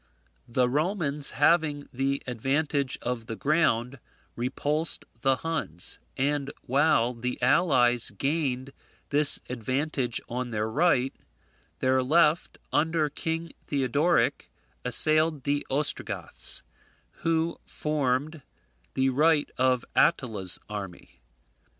The Romans having the advantage of the ground, repulsed the Huns, and while the allies gained this advantage on their right, their left, under King Theodoric, assailed the Ostrogoths, who formed the right of Attila's army.